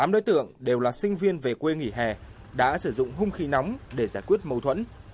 tám đối tượng đều là sinh viên về quê nghỉ hè đã sử dụng hung khí nóng để giải quyết mâu thuẫn